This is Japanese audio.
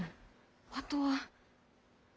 あとは。